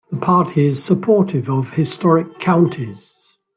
The party is supportive of historic counties.